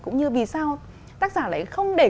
cũng như vì sao tác giả lại không để